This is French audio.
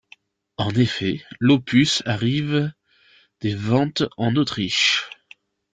En effet, l'opus arrive des ventes en Autriche.